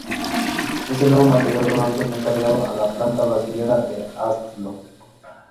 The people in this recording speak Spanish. Este nuevo material rodante fue encargado a la planta brasilera de Alstom.